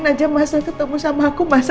aduh bakal goribannya sama come